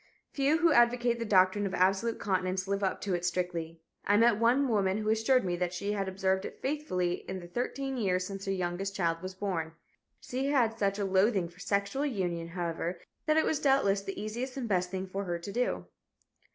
Few who advocate the doctrine of absolute continence live up to it strictly. I met one woman who assured me that she had observed it faithfully in the thirteen years since her youngest child was born. She had such a loathing for sexual union, however, that it was doubtless the easiest and best thing for her to do.